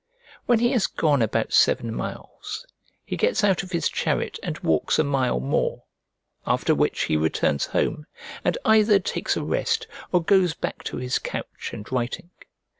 When he has gone about seven miles, he gets out of his chariot and walks a mile more, after which he returns home, and either takes a rest or goes back to his couch and writing.